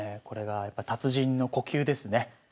これがやっぱり達人の呼吸ですね。